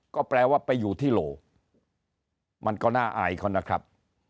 ก็แปลว่าไปอยู่ที่โหลมันก็น่าอายเขานะครับ